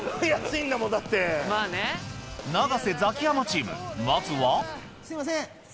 永瀬・ザキヤマチームまずはすいません